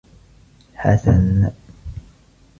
حسن!